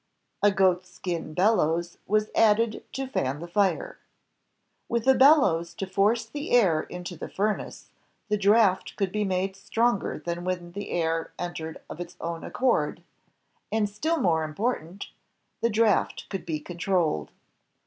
A goatskin bellows was added to fan the fire. With a bellows to force the air into the fur nace, the draft could be made stronger tha n when the air entered of its own accord, and still more important, the draft could be controlled.